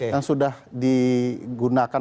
yang sudah digunakan